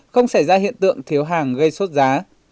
không xảy ra hiện tượng thiếu hàng gây sốt giá